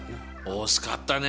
惜しかったね。